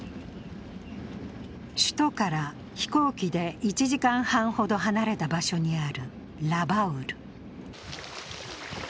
首都から飛行機で１時間半ほど離れた場所にあるラバウル。